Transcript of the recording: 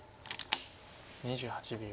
２８秒。